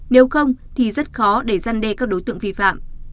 nếu không thì rất khó để gian đe các đối tượng vi phạm